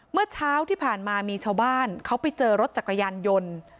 เมื่อเช้าที่ผ่านมามีชาวบ้านเขาไปเจอรถจักรยานยนต์